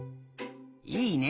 いいね